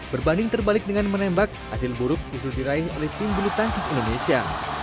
berbanding terbalik dengan menembak hasil buruk justru diraih oleh tim bulu tangkis indonesia